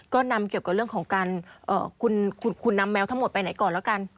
ก็นำเกี่ยวกับเรื่องของการคุณนำแมวทั้งหมดไปไหนก่อนแล้วกัน